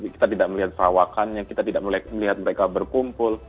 kita tidak melihat sawakannya kita tidak melihat mereka berkumpul